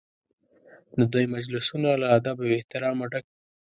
د دوی مجلسونه له ادب او احترامه ډک وي.